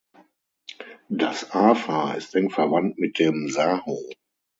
Das Afar ist eng verwandt mit dem Saho.